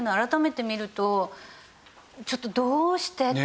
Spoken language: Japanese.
ちょっとどうして？っていうのが。